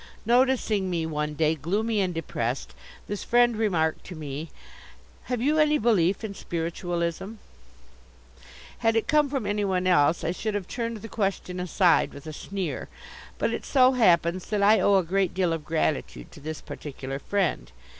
Noticing me one day gloomy and depressed, this Friend remarked to me: "Have you any belief in Spiritualism?" Had it come from anyone else, I should have turned the question aside with a sneer. But it so happens that I owe a great deal of gratitude to this particular Friend.